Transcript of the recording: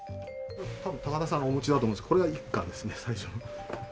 多分高田さんお持ちだと思うんですけどこれが１巻ですね最初の。